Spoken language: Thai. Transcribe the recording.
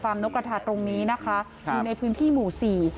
นกกระทาตรงนี้นะคะอยู่ในพื้นที่หมู่สี่